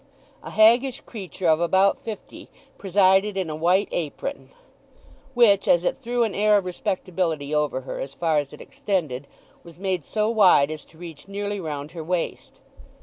A haggish creature of about fifty presided, in a white apron, which as it threw an air of respectability over her as far as it extended, was made so wide as to reach nearly round her waist.